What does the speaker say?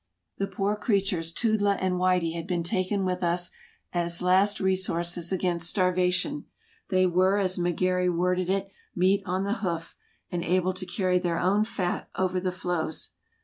The poor creatures Toodla and Whitey had been taken with us as last resources against starvation. They were, as Mc Gary worded it, "meat on the hoof," and "able to carry their own fat over the floes."